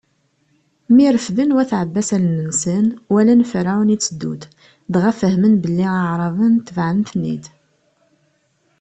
Mi refden wat Ɛebbas allen-nsen, walan Ferɛun itteddu-d, dɣa fehmen belli Iɛraben tebɛen-ten-id.